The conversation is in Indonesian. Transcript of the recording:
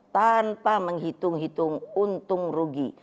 tanpa menghitung hitung untung rugi